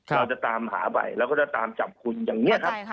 เราจะตามหาไปเราก็จะตามจับคุณอย่างนี้ครับ